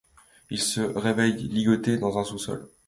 Ils se réveillent ligotés dans un sous-sol.